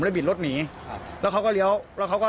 บิดรถหนีครับแล้วเขาก็เลี้ยวแล้วเขาก็